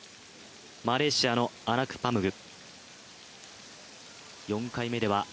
マレーシアのアナクパムグ。